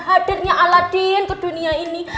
hadirnya aladin ke dunia ini